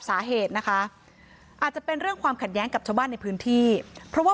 สาเหตุนะคะอาจจะเป็นเรื่องความขัดแย้งกับชาวบ้านในพื้นที่เพราะว่า